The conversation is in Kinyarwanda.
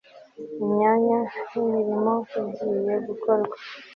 imyanya nimirimo igiye gukorwa